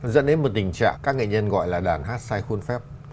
dẫn đến một tình trạng các nghệ nhân gọi là đàn hát sai khuôn phép